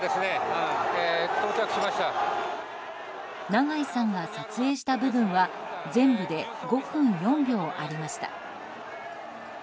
長井さんが撮影した部分は全部で５分４秒ありました。